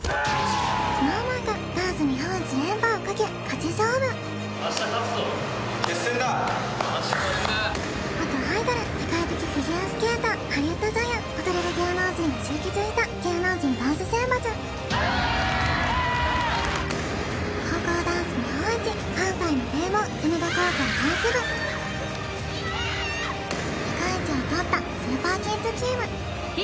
ＳｎｏｗＭａｎが元アイドル世界的フィギュアスケーターハリウッド女優踊れる芸能人が集結した芸能人ダンス選抜高校ダンス日本一関西の名門久米田高校ダンス部世界一を取ったスーパーキッズチーム